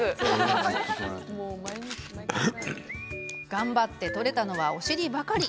頑張って撮れたのはお尻ばかり。